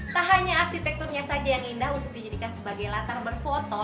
tak hanya arsitekturnya saja yang indah untuk dijadikan sebagai latar berfoto